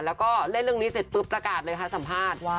แล้วก็เล่นเรื่องนี้เสร็จปุ๊บประกาศเลยค่ะสัมภาษณ์